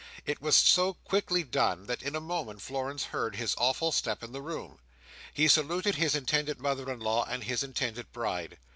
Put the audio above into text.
It was so quickly done, that in a moment Florence heard his awful step in the room. He saluted his intended mother in law, and his intended bride.